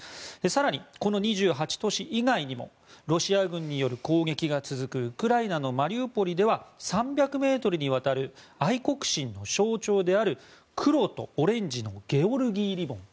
更にこの２８都市以外にもロシア軍による攻撃が続くウクライナのマリウポリでは３００ｍにわたる愛国心の象徴である黒とオレンジのゲオルギー・リボン